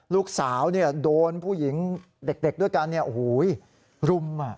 ลูกสาวเนี่ยโดนผู้หญิงเด็กด้วยกันเนี่ยโอ้โหรุมอ่ะ